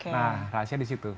nah rahasia di situ